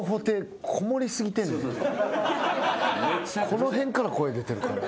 この辺から声出てるから。